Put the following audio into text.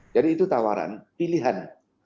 jadi itu tawaran pilihan